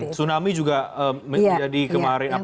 tsunami juga jadi kemarin apa